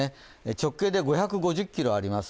直径で５５０ｋｍあります。